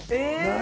何？